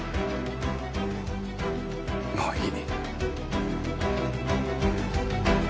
もういい。